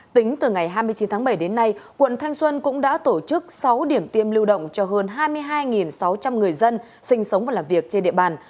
tính từ ngày hai mươi chín tháng bảy đến nay quận thanh xuân cũng đã tổ chức sáu điểm tiêm lưu động cho hơn hai mươi hai sáu trăm linh người dân sinh sống và làm việc trên địa bàn